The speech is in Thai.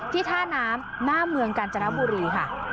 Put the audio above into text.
ท่าน้ำหน้าเมืองกาญจนบุรีค่ะ